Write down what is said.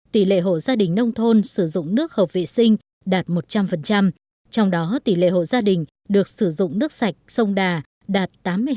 tỷ lệ hộ gia đình nông thôn sử dụng nước hợp vệ sinh đạt một trăm linh trong đó tỷ lệ hộ gia đình được sử dụng nước sạch sông đà đạt tám mươi hai